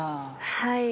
はい。